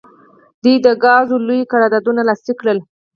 دوی د ګازو لوی قراردادونه لاسلیک کړل.